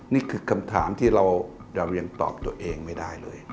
นี่คือคำถามที่เราจะเรียนตอบตัวเองไม่ได้เลย